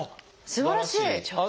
すばらしい！